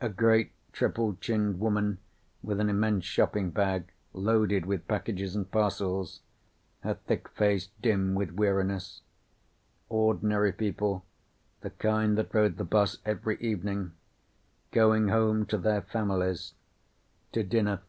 A great triple chinned woman with an immense shopping bag loaded with packages and parcels. Her thick face dim with weariness. Ordinary people. The kind that rode the bus every evening. Going home to their families. To dinner.